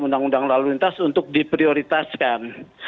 undang undang lalu lintas untuk diprioritaskan